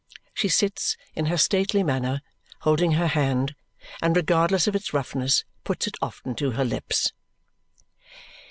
She sits, in her stately manner, holding her hand, and regardless of its roughness, puts it often to her lips.